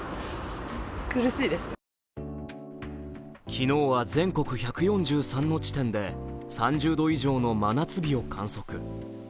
昨日は全国１４３の地点で３０度以上の真夏日を観測。